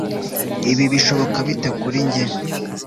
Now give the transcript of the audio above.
Ibi bishoboka bite kuri njye